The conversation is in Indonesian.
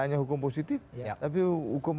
hanya hukum positif tapi hukum